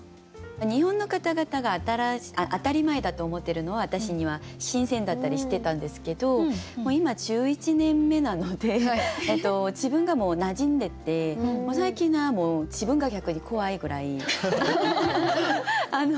日本の方々が当たり前だと思ってるのは私には新鮮だったりしてたんですけど最近はもう自分が逆に怖いぐらい。